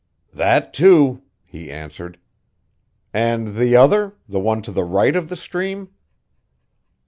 "That too," he answered. "And the other the one to the right of the stream?"